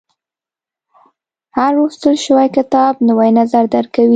• هر لوستل شوی کتاب، نوی نظر درکوي.